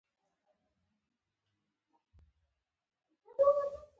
سیمونز بیا وپوښتل چې، کله دې وواهه، څېره یې څه ډول شوه؟